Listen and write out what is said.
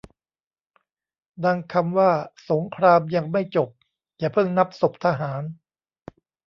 ดังคำว่าสงครามยังไม่จบอย่าเพิ่งนับศพทหาร